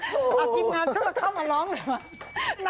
อาทิบงานช่วงมาเข้ามาร้องเลยหรือเปล่า